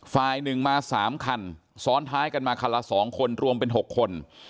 ฝ่ายหนึ่งมา๓คันซ้อนท้ายกันมาคันละ๒คนรวมเป็น๖คน